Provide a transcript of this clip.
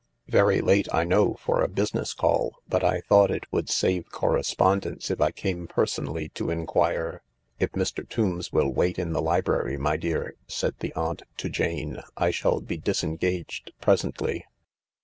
" Very late, I know, for a business call, but I thought it would save correspondence if I came personally to enquire ..."" If Mr. Tombs will wait in the library, my dear," said the aunt to Jane, " I shall be disengaged presently."